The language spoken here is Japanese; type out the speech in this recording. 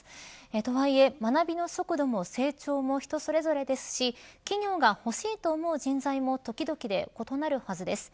とはいえ、学びの速度も成長も人それぞれですし企業が欲しいと思う人材も時々で異なるはずです。